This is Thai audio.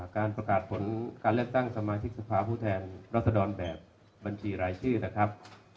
การประกาศผลการเลือกตั้งสมาชิกสภาพผู้แทนรัศดรแบบบัญชีรายชื่อนะครับ